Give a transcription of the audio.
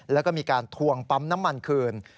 แล้วก็มีการทวงปั๊มน้ำมันคืน